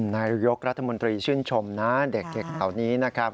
นายกรัฐมนตรีชื่นชมนะเด็กเหล่านี้นะครับ